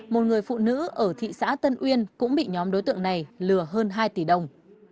một người phụ nữ ở thị xã tân uyên cũng bị nhóm đối tượng này lừa hơn hai tỷ đồng